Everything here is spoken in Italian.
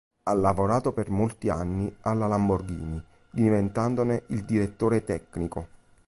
Ha lavorato per molti anni alla Lamborghini, diventandone il direttore tecnico.